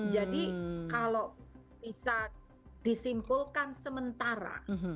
jadi kalau bisa disimpulkan sementara